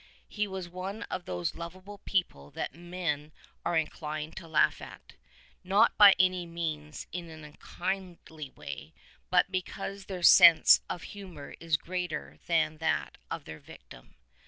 He was one of those lovable people that men. are inclined to laugh at — not by any means in an unkindly way, but because their sense of humor is greater than that of their victim.